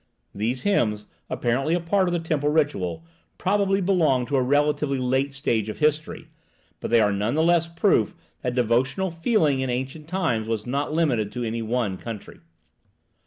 These hymns, apparently a part of the temple ritual, probably belong to a relatively late stage of history; but they are none the less proof that devotional feeling in ancient times was not limited to any one country.